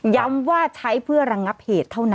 ย้ำว่าใช้เพื่อระงับเหตุเท่านั้น